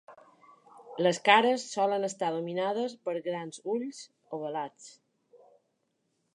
Les cares solen estar dominades per grans ulls ovalats.